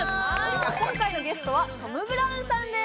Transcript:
今回のゲストはトム・ブラウンさんです